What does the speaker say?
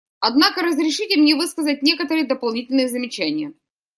Однако разрешите мне высказать некоторые дополнительные замечания.